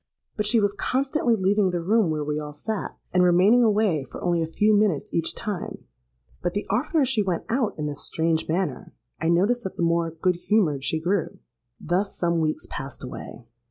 But she was constantly leaving the room where we all sate, and remaining away for only a few minutes each time; but the oftener she went out in this strange manner, I noticed that the more good humoured she grew. "Thus some weeks passed away.